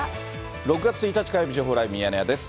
６月１日火曜日、情報ライブミヤネ屋です。